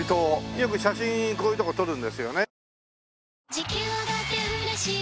よく写真こういう所撮るんですよね。